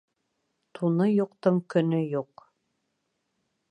Туны юҡтың көнө юҡ.